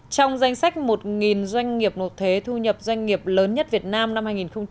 trong danh sách một doanh nghiệp nộp thuế thu nhập doanh nghiệp lớn nhất việt nam năm hai nghìn một mươi chín